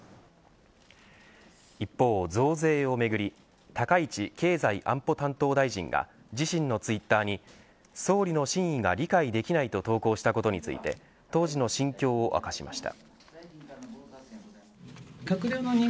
一方、増税をめぐり高市経済安保担当大臣が自身のツイッターに総理の真意が理解できないと投稿したことについて当時の心境を明かしました。